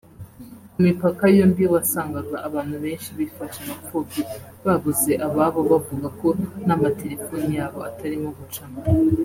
Ku mipaka yombi wasangaga abantu benshi bifashe mapfubyi babuze ababo bavuga ko n’amatelefoni yabo atarimo gucamo